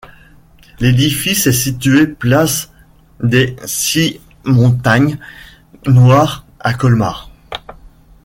L'édifice est situé place des Six-Montagnes-Noires à Colmar.